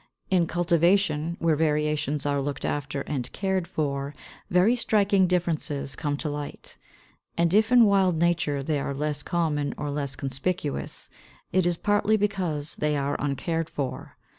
In cultivation, where variations are looked after and cared for, very striking differences come to light; and if in wild nature they are less common or less conspicuous, it is partly because they are uncared for.